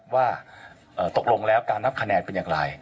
ว่าตกลงแล้วการนับคะแนนเป็นอย่างไร